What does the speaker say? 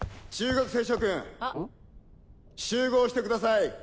中学生諸君集合してください。